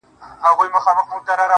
څوک ده چي راګوري دا و چاته مخامخ يمه,